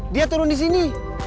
dia turun di sini